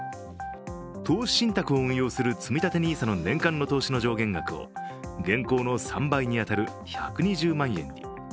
投資信託を運用するつみたてＮＩＳＡの年間の投資の上限額を現行の３倍に当たる１２０万円に。